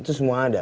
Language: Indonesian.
itu semua ada